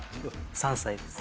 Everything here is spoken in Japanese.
３歳です。